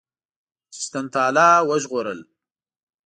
چښتن تعالی وژغورل.